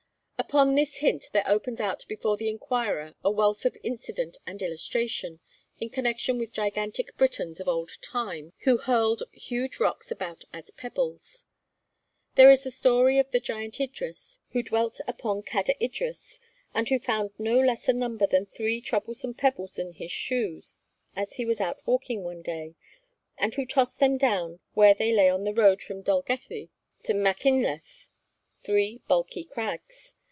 Upon this hint there opens out before the inquirer a wealth of incident and illustration, in connection with gigantic Britons of old time who hurled huge rocks about as pebbles. There is the story of the giant Idris, who dwelt upon Cader Idris, and who found no less a number than three troublesome pebbles in his shoe as he was out walking one day, and who tossed them down where they lie on the road from Dolgelley to Machynlleth, three bulky crags.